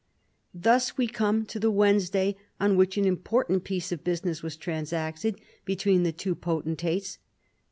Thus we come to the "Wednesday on which an important piece of business was transacted between the two potentates.